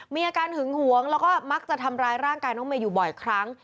มีอาการหึงหวงแล้วก็มักจะทำร้ายร่างกายน้องเมย์อยู่บ่อยครั้ง